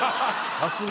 さすが。